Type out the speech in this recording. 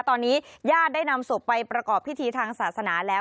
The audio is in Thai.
ตอนนี้ญาติได้นำศพไปประกอบพิธีทางศาสนาแล้ว